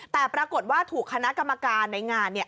แต่ปรากฏว่าถูกคณะกรรมการในงานเนี่ย